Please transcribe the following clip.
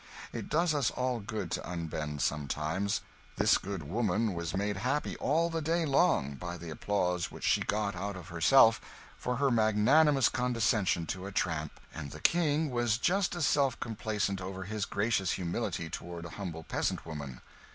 It does us all good to unbend sometimes. This good woman was made happy all the day long by the applauses which she got out of herself for her magnanimous condescension to a tramp; and the King was just as self complacent over his gracious humility toward a humble peasant woman.